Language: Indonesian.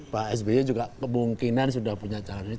pak sbe juga kemungkinan sudah punya calon sendiri